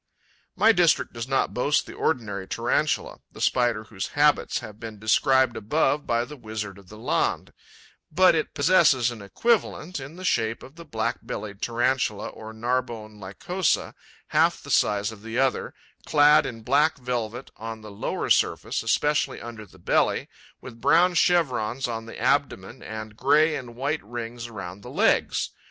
My district does not boast the ordinary Tarantula, the Spider whose habits have been described above by the Wizard of the Landes; but it possesses an equivalent in the shape of the Black bellied Tarantula, or Narbonne Lycosa, half the size of the other, clad in black velvet on the lower surface, especially under the belly, with brown chevrons on the abdomen and grey and white rings around the legs.